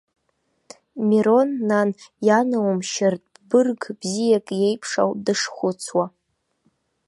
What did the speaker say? Мирон, нан, ианаумшьартә, бырг бзиак иеиԥш ауп дышхәыцуа.